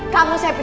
kamu siap pecat